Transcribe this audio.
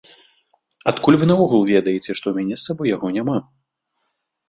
Адкуль вы наогул ведаеце, што ў мяне з сабой яго няма?